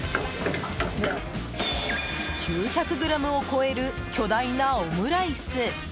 ９００ｇを超える巨大なオムライス。